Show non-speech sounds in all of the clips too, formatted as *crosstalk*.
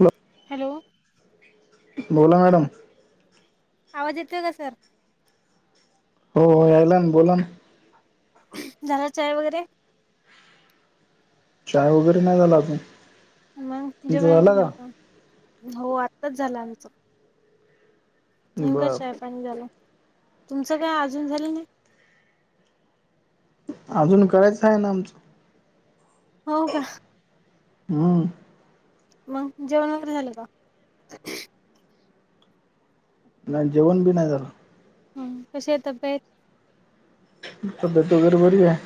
मग हॅलो बोला मॅडम आवाज येते का सर हो, हो यालान बोला ना झाल चाय वगैरे चाय वगैरे नाही झाला अजून मग तुमचा जेवण झाला का झालं का हो आत्ताच झालं आमचं नेमका बर चायपाणी झालं तुमचं काय अजून झालं नाही अजून करायचं आहे ना आमचं हो का हम मग जेवण वगैरे झालं का? नाही जेवण बी नाही झाल हम्म कशीये तब्येत तब्येत वगैरे बरी आहे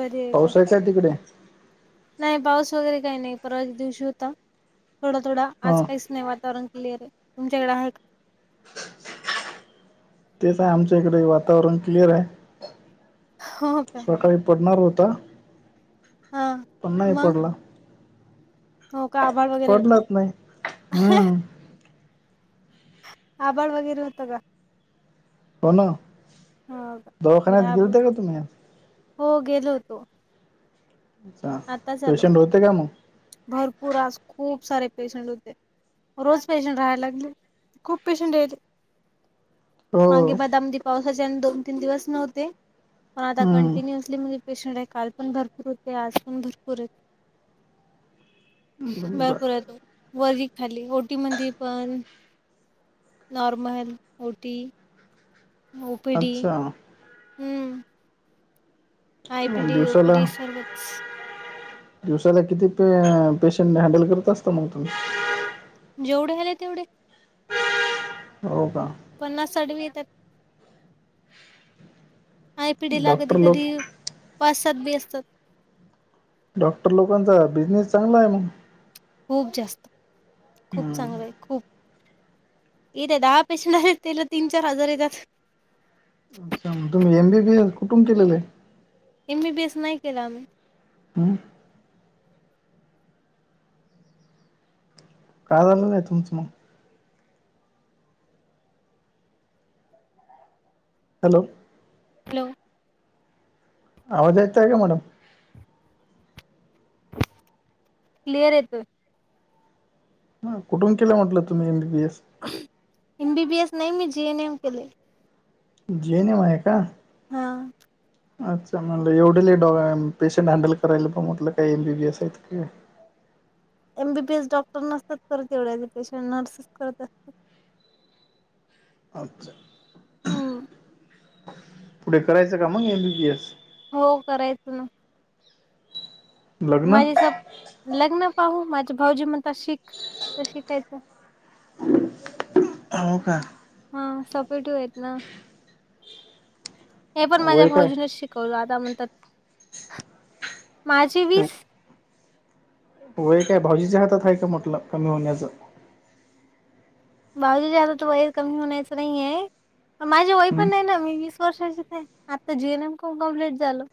बरी आहे का चल तिकडे नाही पाऊस वगैरे काही नाही परवाच्या दिवशी होता थोडा, थोडा आज हा काहीच नाही वातावरण क्लिअर आहेत. तुमच्याकडे आहे का? तेच आहे आमच्या इकडे वातावरण क्लिअर आहे हो का सकाळी पडणार होता हा पण नाही मग पडला हो का आभाळ वगैरे होतं? पडलाच नाही हम्म आभाळ वगैरे होतं का? हो ना हो का इकडे दवाखान्यात आभाळ गेलते का तुम्ही हो गेलो होतो अच्छा. आताच आलो पेशंट होते का मग? भरपूर आज खूप सारे पेशंट होते. रोज पेशंट राहायला लागले खूप पेशंट येले मगे हो ब द अमदी पावसाच्या दोन, तीन दिवस नव्हते पण आता हम्म कंटिन्यू पेशंट आहे काल पण भरपूर होते आज पण भरपूर आहेत बर भरपूर आहे तो वरती खाली ओटी मंदी पण नॉर्मल ओटी ओपीडी अच्छा ह आयपीडी, ओपीडी दिवसाला सर्वच दिवसाला किती पे पेशंट हँडल करत असता मग तुम्ही जेवढे हले तेवढे हो का पन्नास, साठ भी येत्यात आय पीडीला कधी डॉक्टर लोक कधी पाच, सात बी असतात डॉक्टर लोकांचा बिझनेस चांगला आहे, मग खूप जास्त खूप हम्म. चांगलं आहे खूप इथे दहा पेशट आलेत, त्याला तीन चार हजार येतात. अच्छा मग तुम्ही एम बीबी एस कुठुून केलेलं आहे एमबीबीएस नाही केलं आम्ही हम्म का झालं नाही, तुमचं मग. हॅलो हॅलो आवाज येत आहे का मॅडम? क्लिअर येतोय ह कुठून केलं म्हटलं तुम्ही, एम बीबीएस. एमबीबीएस नाही मी जेएनएम केलंय जेएनएम आहे का? हा अच्छा म्हणलं एवढेले पेशंट हँडल करायला म्हटलं काही एमबीबीएस आहेत की काय एमबीबीएस डॉक्टर नसतात करत एवढ्यालॆ पेशंट नर्सेस करत असतात अच्छा! हम. पुढे करायचं का मग एमबीपीएस हो करायचं ना लग्न माझे स लग्न पाहू माझे भाऊजी म्हणता शिक तर शिकायचं हो का हा सपोटिव्ह आहेत ना हे पण माझ्या वय भाऊजींनाच काय शिक करू आता म्हणतात माझी वीस वय काय भाऊजीच्या हातात आहे का म्हटलं कमी होण्याचं भाऊजीच्या हातात तर वय कमी होण्याच नाही आहे पण माझे वय हम्म पण नाही ना मी वीस वर्षाचीच आहे आता जीएनएम को कमप्लीट झालं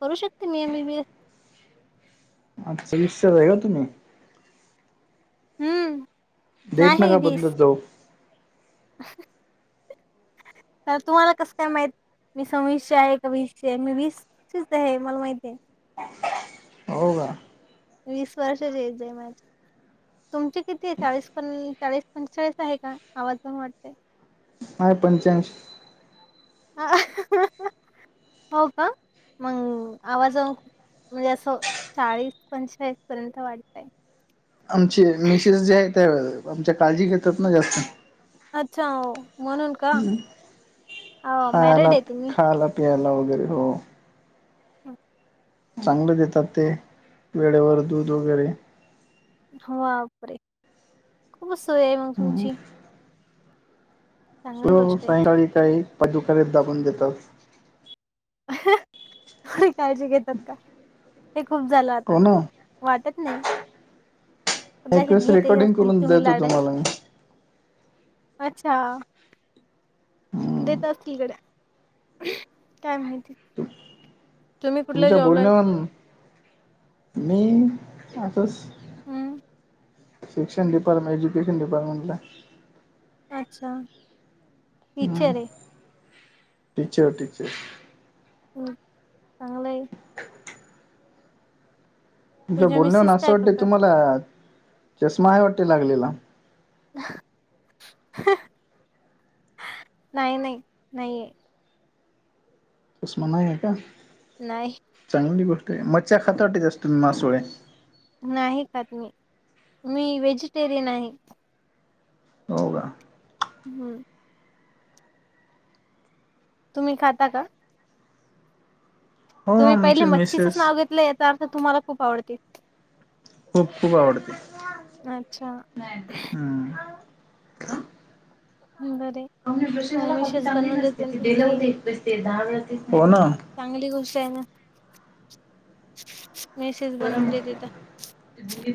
करू शकते मी एमबीबीएस अच्छा वीसचेच आहेत का तुम्ही हम्म डेट नाही नका वीस बदलत जाऊ *inaudible* तर तुम्हाला कसं काय? माहित मी सव्वीसची आहे का वीसची आहे मी वीसचीच आहे मला माहिती आहे. हो का वीस वर्षच एज आहे माझी तुमची किती आहे चाळीस प चाळीस पंचेचाळीस आहे का आवाज पण वाटते हाय पंच्याऐशी हो का मंग हो आवाजप म्हणजे असं चाळीस पंचाळीस पर्यंत वाटताय आमचे मिसेस जे आहेत त्या आमच्या काळजी घेतात ना जास्त अच्छा म्हणून का, मॅरेड आहे तुम्ही? पियाला वगैरे हो हम. चांगल देतात ते, वेळेवर दूध वगैरे. बापरे खूप सोय मग तूमची हो गोष्ट आहे सायकाळी काही पायदाबून, देतात. एवढी काळजी घेतात का हे खूप झालं आता हो ना वाटत नाही कदाचित एकदिवस घेते रेकॉर्डिंग असतील करून तुम्ही देतो, लाड तुम्हाला मी. अच्छा हम्म देत असतील गडे, काय माहिती? तुम्ही कुठल्या तुमच्या जॉबला आहे? बोलण्यावरून मी आताच हम्म शिक्षण डिपार्टमेंट ऐज्यूकेशन डिपार्टमेंटला अच्छा! हम् टीचर आहे टीचर, टीचर चांगल आहे. *inaudible* तुमच्या तुझ्या बोलण्या वरून मिसेस असं काय वाटते, करतात? तुम्हाला चष्मा आहे वाटे लागलेला. नाही नाही नाहीये, ! चष्मा नाही आहे का? नाहीय. चांगली गोष्ट आहे, मछया खाता वाटते जास्त मासोळे. नाही खात मी, मी व्हेजिटेरियन आहे. हो का हम्म. तुम्ही खाता का? हो तुम्ही पहिले आमची मच्छीचंच मिसेस नाव घेतलं, याचा अर्थ तुम्हाला खूप आवडते. खूप खूप आवडते. अच्छा हम्म हम् बर. जेृष झाला की चांगली नसते, ती दिलं तुमची. होते एकस ते हो ना. चांगली गोष्ट आहे ना मेसेज गरम बनवून देते तर.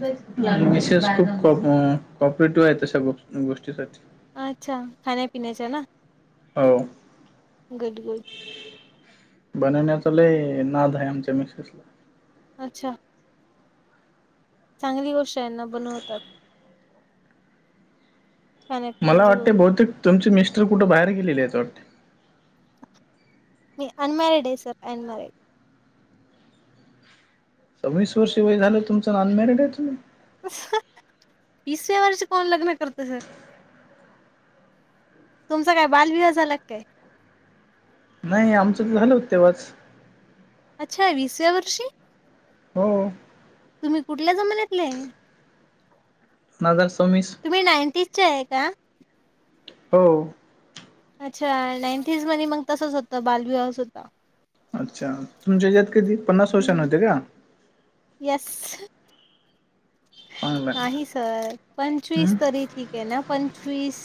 आहे मिसेस खूप कॉपरेटिव्ह आहे, तशा गोष्टीसाठी. अच्छा! खाण्यापिण्याच्या ना? हो! गुड गुड बनवण्याचा लय नाद आहे, आमच्या मिसेसला. अच्छा! चांगली गोष्ट आहे ना, बनवतात. मला खाण्यापिण्याच्या गो वाटते बहुतेक तुमचे मिस्टर कुठे बाहेर गेलेले, आहेत वाटते. मी अनमॅरड आहे, सर अनमॅरड! सव्वीस वर्ष वय झालं, तुमचं अनमॅरिड आहे! तुम्ही विसाव्या वर्षी कोण लग्न करत, सर. तुमचा काय बालविवाह झाला काय? नाही आमचं तर झालं होत, तेव्हाच! अच्छा आहे विसाव्या वर्षी हो! तुम्ही कुठल्या जमान्यातले? दोन हजार सवीस! तुम्ही नाइन्टीज चे आहे का हो अच्छा नाइन्टीज मध्ये मग तसच होतं, बालविवाहच होता. अच्छा तुमच्या यात कधी पन्नास वर्ष हम्म नव्हते का? येस. चांगलं आहे. नाही सर पंचवीस हम्म तरी ठीक ते ना पंचवीस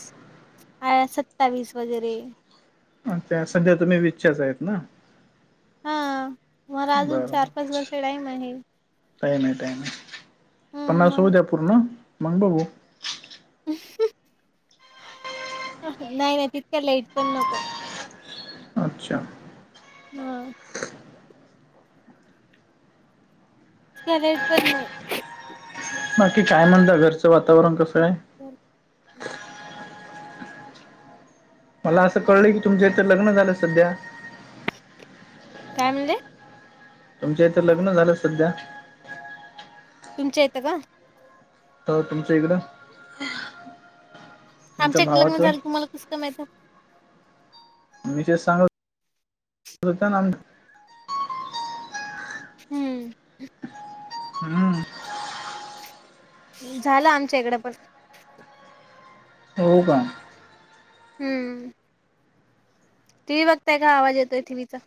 अया सत्तावीस वगैरे त्या सध्या तुम्ही विचा आहेत ना हा मला अजून बरबर चार पाच वर्ष टाईम आहे काय नाही टाईम आहे हम्म पन्नास होऊ मग द्या. पूर्ण मग, बघू नाही नाही इतक्या लेट पण नको. अच्छा नवाय त्या रेड पेन ने. बाकी काय म्हणला घरचं वातावरण कसं आहे? सर *inaudible* मला असं कळलं की तुमचं तर लग्न झालं सध्या. काय म्हणले? तुमच्या तर लग्न झालं सध्या. तुमच्या इथं का? अ तुमच्या इकडं. तुमच्या आमच्या इकडे लग्नं भावाचं झालं तुम्हाला कसं काय माहितेय? मी सांग होतो न ते. हम्म. हम्म. झालं आमच्या इकडें पण. हो का? हम्म. टीव्ही बघतय का आवाज येतोय टीव्हीचा.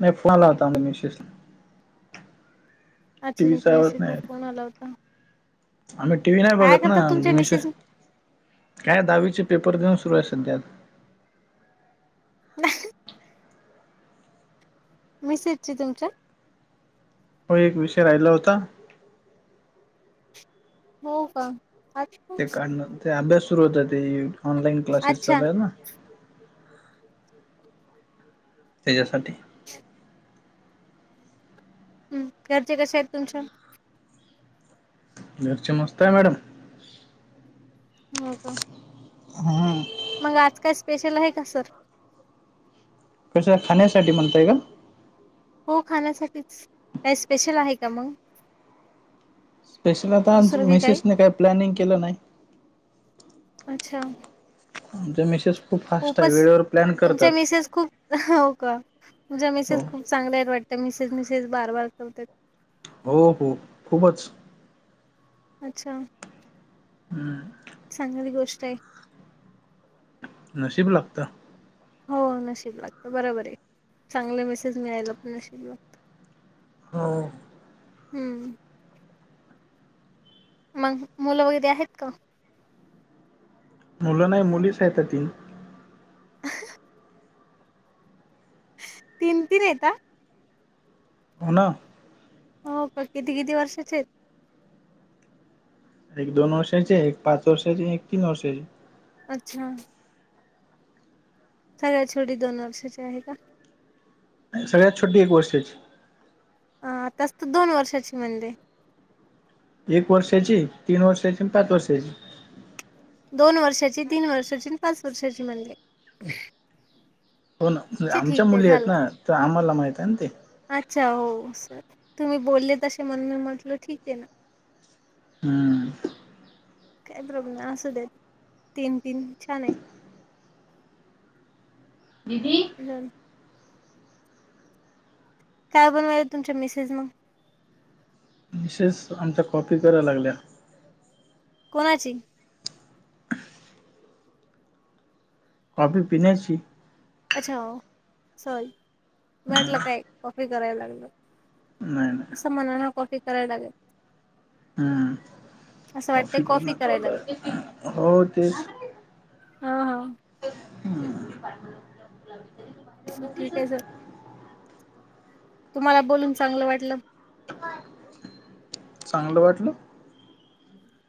नाही फोन आला होता म मिशेस अक्षदाला टीव्हीचा आवाज निश्चित ला नाही फोन आला होता आम्ही टीव्ही नाही काय बघत ना करतात तुमच्या मिसेस काय? दहावीचे पेपर देऊ सुरू आहे सध्यात. *unintelligible* मिसेसची तुमच्या हो एक विषय राहिला होता. हो का ते काढ ते अभ्यास सुरू होता ऑनलाईन क्लासेस अच्छा चा ना. त्याच्यासाठी हम्म घरचे कशे आहेत तुमच्या? घरचे मस्त आहे मॅडम. हो का? हां. मग आज काय स्पेशल आहे का सर? कस खाण्यासाठी म्हणताय का? हो खाण्यासाठीच काय? स्पेशल आहे का मग स्पेशल आता आमचे दुसरं बी मिसेस ने काही प्लॅनिंग केलं नाही. अच्छा आमच्या मेसेस खूप फास्ट आहेत. वेळेवर प्लॅन करतात खूहो होका हो मेसेज खूप चांगल्या वाटत मिसेज मिसेज बार बार करता. हो हो खूपच. अच्छा हम्म. चांगली गोष्ट आहे. नशीब लागतं. हो नशीब लागतं बरोबर आहे. चांगले मिसेस मिळायला पण नशीब लागतं. हो हम्म. मग मुलं वगैरे आहेत का? मुलं नाही मुलीच आहेता तीन. *unintelligible* तीन तीन आहे हा. पुणा. हो का? किती किती वर्षाचे आहेत? एक दोन वर्षाची हाय, एक पाच वर्षाची आणि एक तीन वर्षाची. अच्छा. सगळ्यात छोटी दोन वर्षाची आहे का? सगळ्यात छोटी एक वर्षाची. अं आताच तर दोन वर्षाची बनले. एक वर्षाची, तीन वर्षाची आणि पाच वर्षाची. दोन वर्षाची, तीन वर्षाची आणि पाच वर्षाची म्हणले. हो ना अच्छा ठीक आमच्या आहे मुली आहेत झालं. ना, तर आम्हाला माहित आहे ना ते. अच्छा हो सर तुम्ही बोलले तसे म्हणून मी म्हंटल ठीक आहे ना. हम्म. काय प्रॉब्लेम असू देत. तीन तीन छान आहेत. दिदी हम्म. काय बनवायला तुमच्या मिसेस मग? मिसेस आमच्या कॉपी कराय लागल्या. कोणाची? कॉफी पिण्याची अच्छा सॉरी, म्हटलं काय कॉफी करायला लागलं. नाही नाही. सर मला ना कॉफी करायला लागल. हम्म. असं वाटतंय कॉफी करण करायला चालू लागेल हाय हो तेच. हा हा. हम्म. ठीक आहे सर, तुम्हाला बोलून चांगलं वाटलं. *unintelligible* चांगलं वाटलं?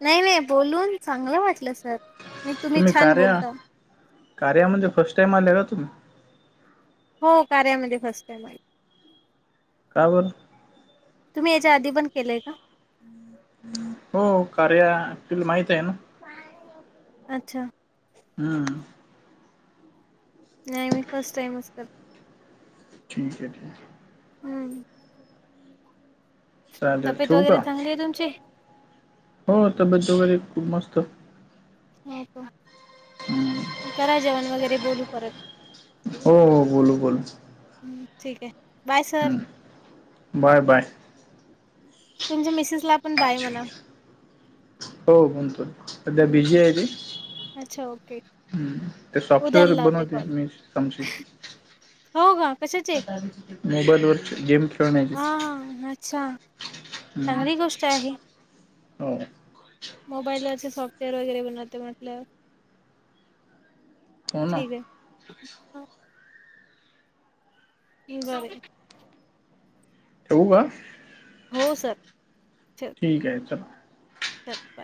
नाही नाही बोलून चांगलं वाटलं सर. तुम्ही छान कार्या बोलता कार्यामध्ये फर्स्ट टाइम आले का तुम्ही? हो कार्यामध्ये फर्स्ट टाईम आले. का बर? तुम्ही याच्या आधी पण केलंय का? हो कार्या तुला माहित आहे ना? अच्छा. हम्म. नाही मी फर्स्ट टाइमच करते. ठीक आहे ठीक आहे. हम्म. चालेल तब्येत ठेवू का वगैरे चांगली आहे तुमची? हो तब्येत वगैरे खूप मस्त. हो का? हम्म, मग करा जेवण वगैरे बोलू परत. हो हो बोलू बोलू हम्म ठीक आहे. बाय सर हम्म बाय बाय. तुमच्या मिसेसला पण बाय म्हणा. हो बोलतोय. सध्या हं बिझी ठीक. आहे ती. अच्छा ओके. हम्म. ते सॉफ्टवेअर उद्याला लावते बनवते मीस आमची. होका कशाचे? मोबाईलवर गेम खेळण्याची हा हा अच्छा. हम्म चांगली गोष्ट आहे. हो मोबाईलवरचे सॉफ्टवेअर वगैरे बनवते म्हटलं. हो ना. ठीक आहे. इज वे ठेवू का? हो सर. ठीक आहे चला. तत्पर.